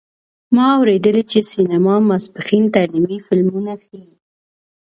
ما اوریدلي چې سینما ماسپښین تعلیمي فلمونه ښیې